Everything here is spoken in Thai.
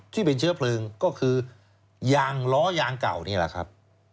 ที่เป็นเชื้อเพลิงก็คือยางล้อยางเก่านี่แหละครับ